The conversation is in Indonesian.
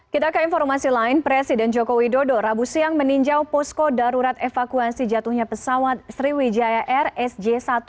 kita ke informasi lain presiden jokowi dodo rabu siang meninjau posko darurat evakuasi jatuhnya pesawat sriwijaya rsj satu ratus delapan puluh dua